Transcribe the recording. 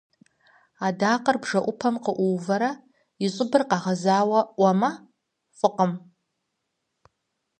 Адакъэр бжэӏупэм къыӏуувэрэ и щӏыбыр къэгъэзауэ ӏуэмэ, фӏыкъым.